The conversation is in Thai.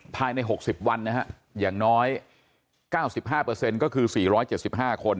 ภายใน๖๐วันนะฮะอย่างน้อย๙๕ก็คือ๔๗๕คน